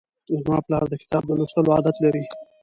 زما پلار د کتاب د لوستلو عادت لري.